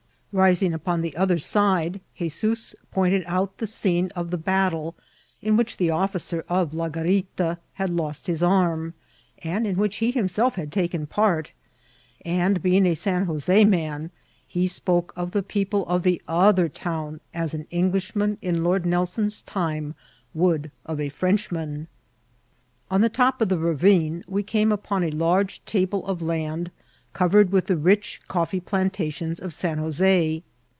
Rising upon the other side,*He9eoos pointed out the scene of the battle in which the officer at La Oarita had lost his arm, and in vrlncli he hims^ had taken part, and, being a San Jos6 man, he spoke of the people of the other town as an Englishman in Lord Nelson's time would of a Frenchman. On the top of the ravine we came up<Hi a large table of land covered with the rich coffee plantations of San Jos6.